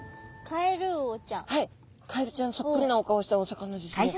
カエルちゃんそっくりなお顔をしたお魚ですね。